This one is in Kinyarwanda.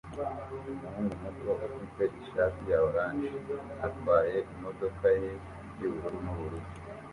Umuhungu muto ufite ishati ya orange atwaye imodoka ye yubururu nubururu